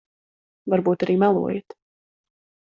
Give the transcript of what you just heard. Varbūt arī melojat.